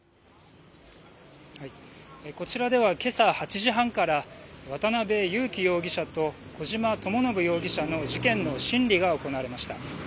こちらでは、けさ８時半から、渡邉優樹容疑者と小島智信容疑者の事件の審理が行われました。